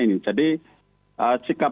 ini jadi sikap